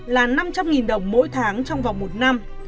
là năm trăm linh đồng mỗi tháng trong vòng một năm